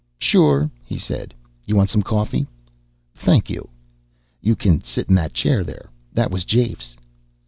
"Sure," he said. "You want some coffee?" "Thank you." "You can sit in that chair there. That was Jafe's."